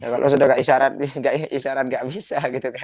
kalau sudah gak isyarat isyarat gak bisa